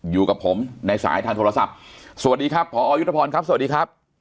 อยู่กับผมในสายทางโทรศัพท์สวัสดีครับพอยุทธพรครับสวัสดีครับ